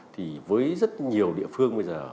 thì với rất nhiều địa phương bây giờ